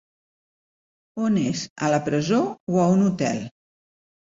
On és, a la presó o a un hotel?